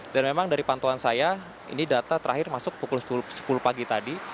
dan memang dari pantauan saya ini data terakhir masuk pukul sepuluh pagi tadi